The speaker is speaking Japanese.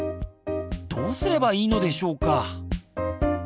どうすればいいのでしょうか？